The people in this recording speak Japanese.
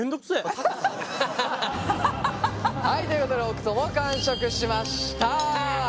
はいということで北斗も完食しました！